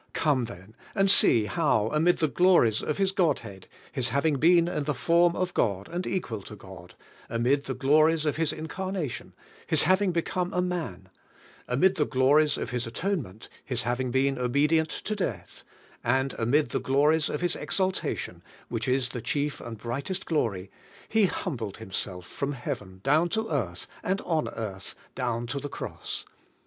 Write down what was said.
Come, then, and see how, amid the glories of His Godhead — His having been in the form of God, and equal to God; amid the glories of His incarnation — His having become a man ; amid the glories of His atonement — His having been obedient to death ; and amid the glories of His exaltation, which is the chief and brightest glory, He humbled Himself from Heaven down to earth and on earth down to the cross.